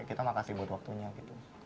kita makasih buat waktunya gitu